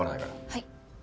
はい。